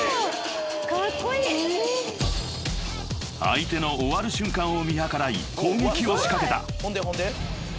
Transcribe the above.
［相手の終わる瞬間を見計らい攻撃を仕掛けた］